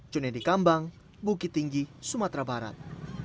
junendi kambang bukit tinggi sumatera barat